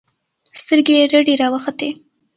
سترګې يې رډې راوختې.